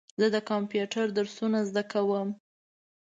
زه د کمپیوټر درسونه زده کوم.